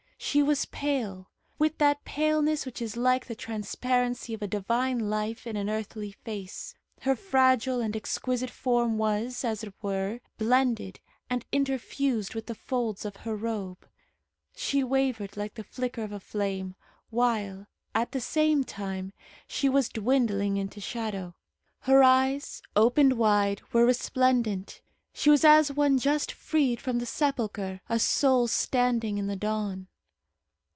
She was pale, with that paleness which is like the transparency of a divine life in an earthly face. Her fragile and exquisite form was, as it were, blended and interfused with the folds of her robe. She wavered like the flicker of a flame, while, at the same time, she was dwindling into shadow. Her eyes, opened wide, were resplendent. She was as one just freed from the sepulchre; a soul standing in the dawn.